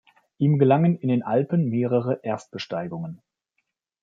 Ihm gelangen in den Alpen mehrere Erstbesteigungen.